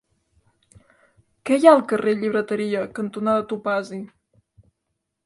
Què hi ha al carrer Llibreteria cantonada Topazi?